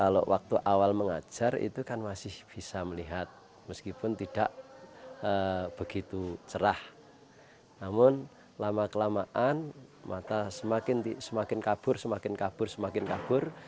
namun lama kelamaan mata semakin kabur semakin kabur semakin kabur